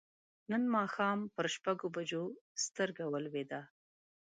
نن ماښام پر شپږو بجو سترګه ولوېده.